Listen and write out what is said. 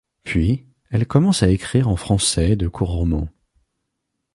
Puis, elle commence à écrire en français de courts romans.